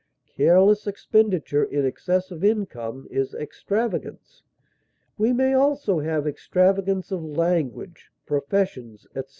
Careless expenditure in excess of income is extravagance; we may have also extravagance of language, professions, etc.